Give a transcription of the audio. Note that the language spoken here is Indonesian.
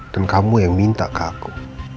dan kamu yang minta ke aku